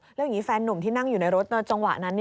แล้วอย่างนี้แฟนหนุ่มที่นั่งอยู่ในรถจังหวะนั้น